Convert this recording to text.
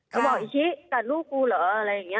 เขาบอกอิชิกัดลูกกูเหรออะไรอย่างนี้